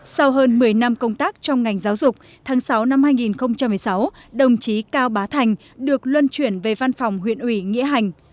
sau hơn một mươi năm công tác trong ngành giáo dục tháng sáu năm hai nghìn một mươi sáu đồng chí cao bá thành được luân chuyển về văn phòng huyện ủy nghĩa hành